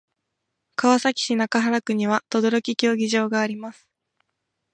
川崎市中原区には等々力陸上競技場があります。